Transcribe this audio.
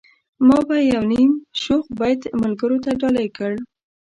ما به يو نيم شوخ بيت ملګرو ته ډالۍ کړ.